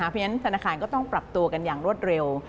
เพราะฉะนั้นธนาคารก็ต้องปรับตัวกันอย่างรวดเร็ว